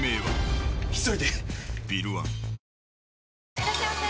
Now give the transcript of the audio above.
いらっしゃいませ！